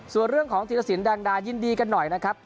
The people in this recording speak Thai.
ส่วนเรื่องของธีรสินแดงดายินดีกันหน่อยนะครับ